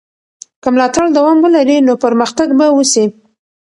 که ملاتړ دوام ولري نو پرمختګ به وسي.